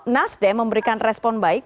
nasdeh memberikan respon baik